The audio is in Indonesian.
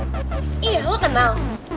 iya lo kenal